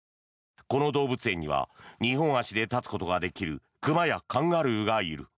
この動物園には二本足で立つことができる熊やカンガルーがいる。